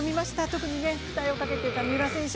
特に期待をかけていた三浦選手